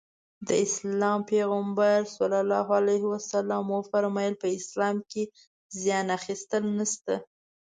د اسلام پيغمبر ص وفرمايل په اسلام کې زيان اخيستل نشته.